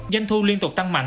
doanh thu liên tục tăng mạnh